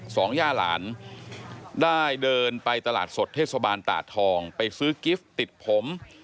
ย่าหลานได้เดินไปตลาดสดเทศบาลตาดทองไปซื้อกิฟต์ติดผม